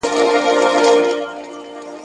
ستر انسان خپل افکار په عمل کي پلي کوي.